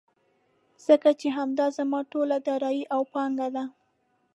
ځکه چې همدا زما ټوله دارايي او پانګه ده.